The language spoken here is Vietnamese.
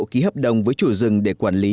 ký hợp đồng với chủ rừng để quản lý